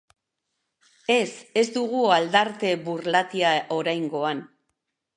Ez, ez dugu aldarte burlatia oraingoan.